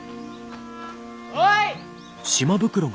おい！